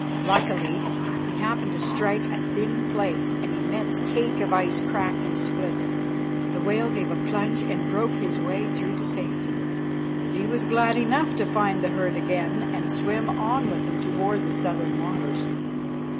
Luckily, he happened to strike a thin place. The immense cake of ice cracked and split. The whale gave a plunge and broke his way through to safety. He was glad enough to find the herd again and swim on with them toward the southern waters.